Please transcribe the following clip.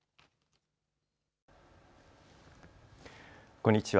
こんにちは。